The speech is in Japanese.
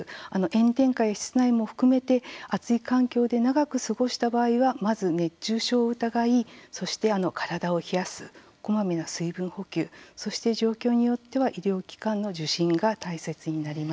炎天下や室内も含めて暑い環境で長く過ごした場合はまず、熱中症を疑いそして体を冷やすこまめな水分補給そして状況によっては医療機関の受診が大切になります。